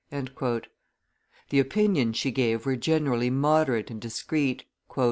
The opinions she gave were generally moderate and discreet.